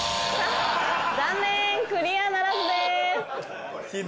残念クリアならずです。